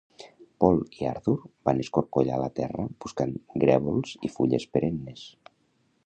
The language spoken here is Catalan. Paul i Arthur van escorcollar la terra buscant grèvols i fulles perennes.